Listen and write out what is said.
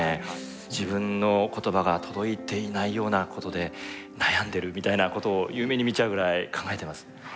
自分の言葉が届いていないようなことで悩んでるみたいなことを夢に見ちゃうぐらい考えてます。